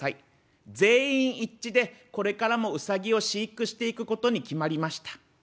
全員一致でこれからもウサギを飼育していくことに決まりました。